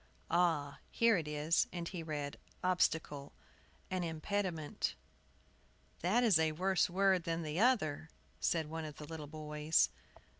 "Ah, here it is " And he read: "OBSTACLE, an impediment." "That is a worse word than the other," said one of the little boys.